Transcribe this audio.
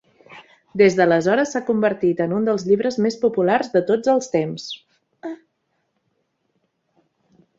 Des d'aleshores s'ha convertit en un del llibres més populars de tots els temps.